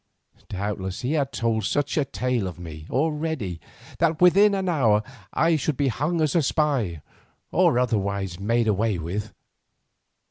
Doubtless he had told such a tale of me already, that within an hour I should be hung as a spy, or otherwise made away with.